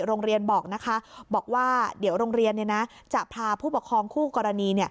โรงเรียนบอกว่าเดี๋ยวโรงเรียนจะพาผู้ประคองคู่กรณี